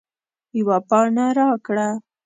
یوه پاڼه راکړه